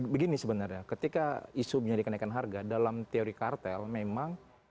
begini sebenarnya ketika isu menjadi kenaikan harga dalam teori kartel memang